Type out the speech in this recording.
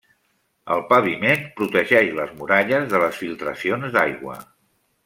El paviment protegeix les muralles de les filtracions d'aigua.